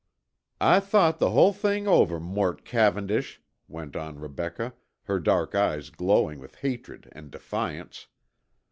"I thought the hull thing over, Mort Cavendish," went on Rebecca, her dark eyes glowing with hatred and defiance.